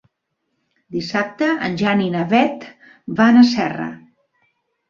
Dissabte en Jan i na Beth van a Serra.